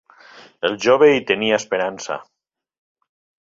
Era jove i tenia esperança.